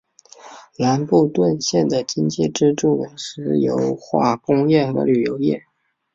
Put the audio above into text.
兰布顿县的经济支柱为石油化工业和旅游业。